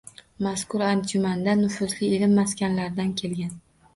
Mazkur anjumandanufuzli ilm maskanlaridan kelgan.